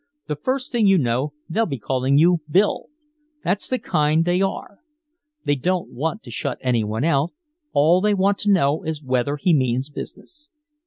The first thing you know they'll be calling you 'Bill.' That's the kind they are they don't want to shut anyone out all they want to know is whether he means business.